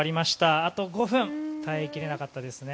あと５分耐えきれなかったですね。